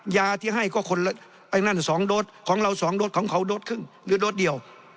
ยาที่ให้ก็คนละไอ้นั่น๒โดสของเรา๒โดสของเขาโดสครึ่งหรือโดสเดียว